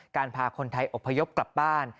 พาคนไทยอบพยพกลับบ้าน